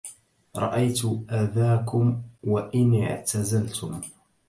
رأيت أذاكم وإن اعتزلتم